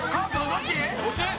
どっち？